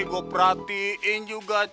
ini gue perhatiin juga